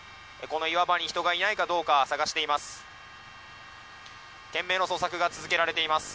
この岩場に人がいないかどうか探しています。